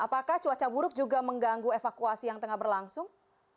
apakah cuaca buruk juga mengganggu evakuasi yang tengah berlangsung